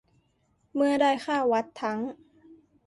เมื่อได้ค่าวัดทั้ง